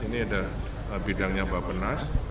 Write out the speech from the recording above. ini ada bidangnya bapak penas